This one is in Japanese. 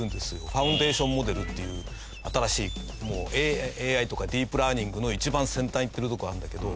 ファウンデーションモデルっていう新しいＡＩとかディープラーニングの一番先端に行ってるとこあるんだけど。